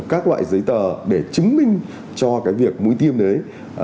các loại giấy tờ để chứng minh cho cái việc mũi tiêm đấy